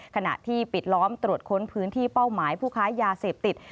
ขณะที่ปิดล้อมตรวจค้นพื้นที่เป้าหมายผู้ค้ายาเสพติด